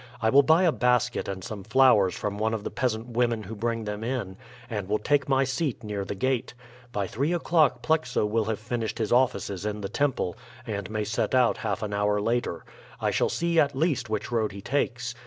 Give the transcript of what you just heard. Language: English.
I will buy a basket and some flowers from one of the peasant women who bring them in, and will take my seat near the gate. By three o'clock Plexo will have finished his offices in the temple, and may set out half an hour later. I shall see at least which road he takes.